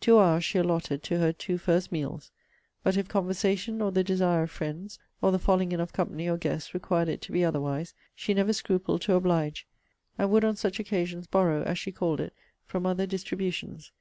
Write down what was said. Two hours she allotted to her two first meals. But if conversation, or the desire of friends, or the falling in of company or guests, required it to be otherwise, she never scrupled to oblige; and would on such occasions borrow, as she called it, from other distributions.